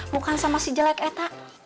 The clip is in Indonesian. bukan sama si jelek eta